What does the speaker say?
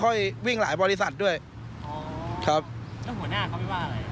เขาเปลี่ยนบริษัทไปเรื่อย